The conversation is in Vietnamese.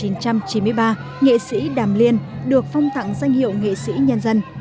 năm một nghìn chín trăm chín mươi ba nghệ sĩ đàm liên được phong tặng danh hiệu nghệ sĩ nhân dân